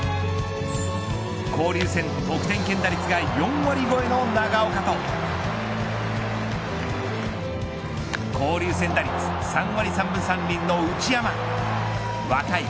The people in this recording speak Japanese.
交流戦、得点圏打率が４割超えの長岡と交流戦打率３割３分３厘の内山若い